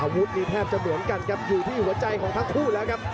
อาวุธนี้แทบจะหมดกันอยู่ที่หัวใจของทั้งผู้แล้วครับ